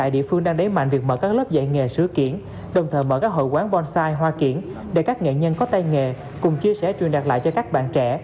đồng thời mở các hội quán bonsai hoa kiển để các nghệ nhân có tay nghề cùng chia sẻ truyền đạt lại cho các bạn trẻ